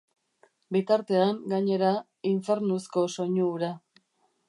Bitartean, gainera, infernuzko soinu hura.